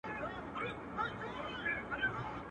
عجايب يې دي رنگونه د ټوكرانو.